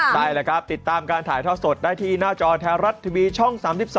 ได้แล้วครับติดตามการถ่ายทอดสดได้ที่หน้าจอแท้รัฐทีวีช่อง๓๒